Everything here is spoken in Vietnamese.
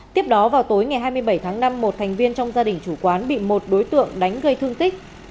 tiếp đó vào tối ngày hai mươi bảy tháng năm một thành viên trong gia đình chủ quán bị một đối tượng đánh gây thương tích